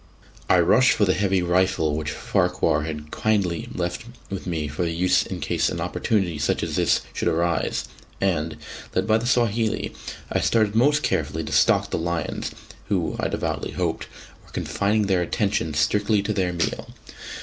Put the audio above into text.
I rushed for the heavy rifle which Farquhar had kindly left with me for use in case an opportunity such as this should arise, and, led by the Swahili, I started most carefully to stalk the lions, who, I devoutly hoped, were confining their attention strictly to their meal.